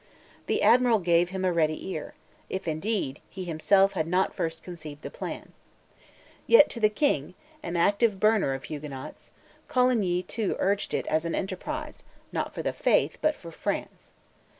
The Admiral gave him a ready ear; if, indeed, he himself had not first conceived the plan. Yet to the King, an active burner of Huguenots, Coligny too urged it as an enterprise, not for the Faith, but for France.